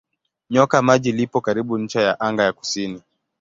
Nyoka Maji lipo karibu ncha ya anga ya kusini.